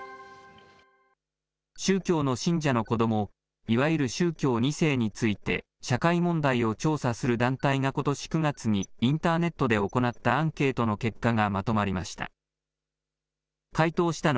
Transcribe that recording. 宗教の信者の子どもいわゆる宗教２世について、社会問題を調査する団体がことし９月に、インターネットで行ったアンケートの結果がまとまりました。